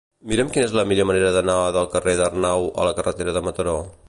Mira'm quina és la millor manera d'anar del carrer d'Arnau a la carretera de Mataró.